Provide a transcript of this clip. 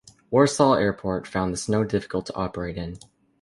Warsaw Airport found the snow difficult to operate in.